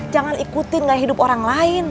jangan ikutin gaya hidup orang lain